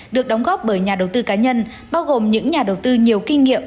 được đóng góp bởi nhà đầu tư cá nhân bao gồm những nhà đầu tư nhiều kinh nghiệm